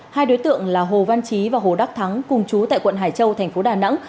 hai đối tượng là hồ văn trí và hồ đắc thắng cùng chú tại quận hải châu thành phố đà nẵng